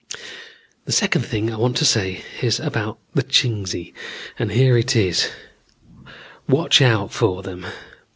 "The second thing I want to say is about the Chingsi, and here it is: watch out for them.